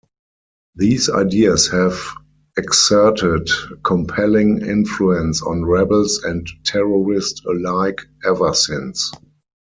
These ideas have exerted compelling influence on rebels and terrorist alike ever since.